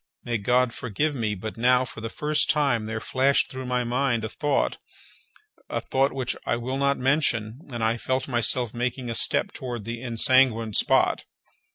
May God forgive me, but now, for the first time, there flashed through my mind a thought, a thought which I will not mention, and I felt myself making a step toward the ensanguined spot.